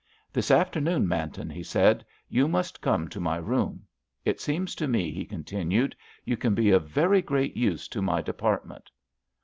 "This afternoon, Manton," he said, "you must come to my room. It seems to me," he continued, "you can be of very great use to my department."